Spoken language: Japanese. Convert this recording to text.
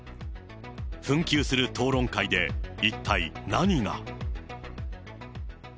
紛糾する討論会でいったい何が。